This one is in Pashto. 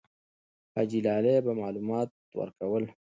حاجي لالی به معلومات ورکول.